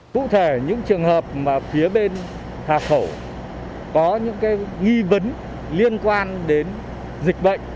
cụ thể những trường hợp mà phía bên hạ khẩu có những nghi vấn liên quan đến dịch bệnh